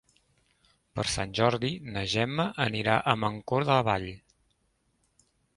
Per Sant Jordi na Gemma anirà a Mancor de la Vall.